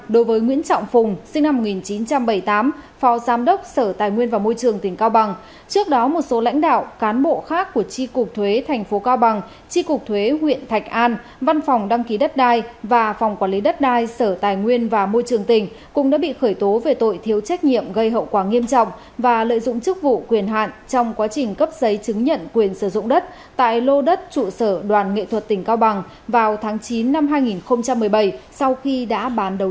đối với nguyễn trọng phùng sinh năm một nghìn chín trăm bảy mươi tám phó giám đốc sở tài nguyên và môi trường tỉnh cao bằng trước đó một số lãnh đạo cán bộ khác của tri cục thuế tp cao bằng tri cục thuế huyện thạch an văn phòng đăng ký đất đai và phòng quản lý đất đai sở tài nguyên và môi trường tỉnh cũng đã bị khởi tố về tội thiếu trách nhiệm gây hậu quả nghiêm trọng và lợi dụng chức vụ quyền hạn trong quá trình cấp giấy chứng nhận quyền sử dụng đất tại lô đất trụ sở đoàn nghệ thuật tỉnh cao bằng vào tháng chín năm hai nghìn một mươi bảy sau khi đã bán đầu